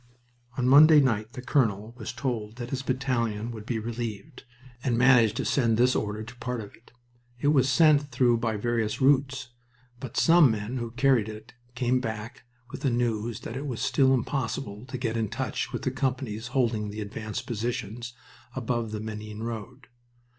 On Monday night the colonel was told that his battalion would be relieved, and managed to send this order to a part of it. It was sent through by various routes, but some men who carried it came back with the news that it was still impossible to get into touch with the companies holding the advanced positions above the Menin road.